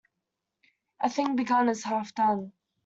A thing begun is half done.